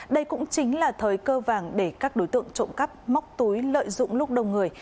đây cũng chính là thời cơ vàng để các đối tượng trộm cắp móc túi lợi dụng lúc đông người